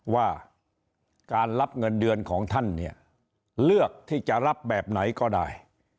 ว่าการรับเงินเดือนของท่านเนี่ยเลือกที่จะรับแบบไหนก็ได้